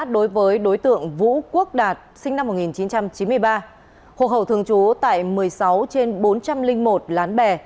đối với đối tượng vũ quốc đạt sinh năm một nghìn chín trăm chín mươi ba hộ khẩu thường trú tại một mươi sáu trên bốn trăm linh một lán bè